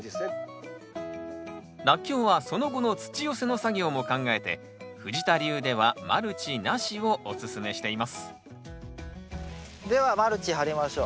ラッキョウはその後の土寄せの作業も考えて藤田流ではマルチなしをおすすめしていますではマルチ張りましょう。